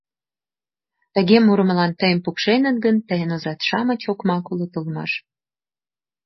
Тыге мурымылан тыйым пукшеныт гын, тыйын озат-шамыч окмак улыт улмаш.